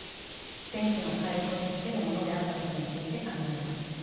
天地の化育を助けるものであったことについて考えます。